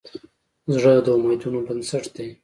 زړه د امیدونو بنسټ دی.